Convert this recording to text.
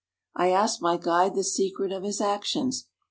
I asked my guide the secret of his actions.